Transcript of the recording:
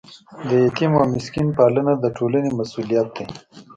د یتیم او مسکین پالنه د ټولنې مسؤلیت دی.